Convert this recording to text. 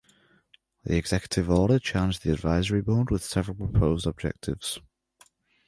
The Executive Order charged the advisory board with several proposed objectives.